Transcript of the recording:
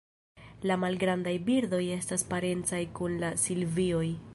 La malgrandaj birdoj estas parencaj kun la Silvioj.